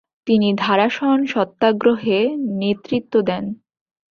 তিনি ধারাসন সত্যাগ্রহে নেতৃত্ব দেন।